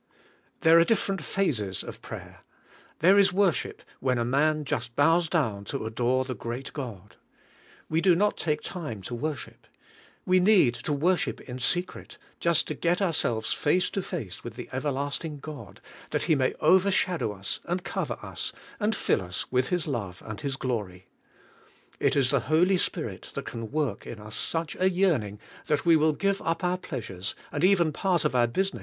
There are different phases of prayer. There is worship, when a man just bows down to adore the great God. We do not take time to worship. We need to worship in secret, just to get ourselves face to face with tlie everlasting God, that He may oversh9dow xr^ and cover us and fill us with His THE SO URCE OF POWER IN PR A YER 161 love and His glory. It is the Holy Spirit that can work in us such a yearning that we will give up our pleasures and even part of our busines.